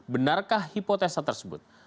benarkah hipotesa tersebut